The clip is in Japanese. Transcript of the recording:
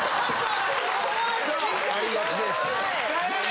ありがちです。